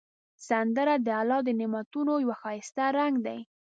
سندره د الله د نعمتونو یو ښایسته رنگ دی